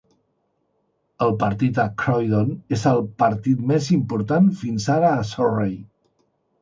El partit a Croydon és el partit més important fins ara a Surrey.